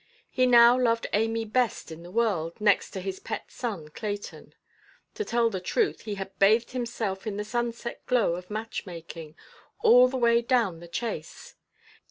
He now loved Amy best in the world, next to his pet son, Clayton. To tell the truth, he had bathed himself in the sunset–glow of match–making, all the way down the chase.